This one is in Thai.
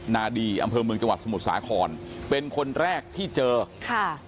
นาดีอำเภอเมืองจังหวัดสมุทรสาครเป็นคนแรกที่เจอค่ะ